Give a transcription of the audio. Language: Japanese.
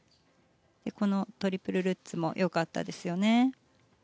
このトリプルルッツもよかったですよね。